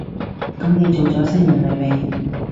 噉你做咗新人類未？